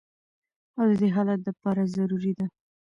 او د دې حالت د پاره ضروري ده